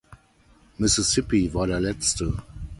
Mississippi war der letzte.